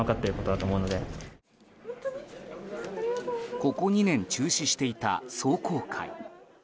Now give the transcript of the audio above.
ここ２年、中止していた壮行会。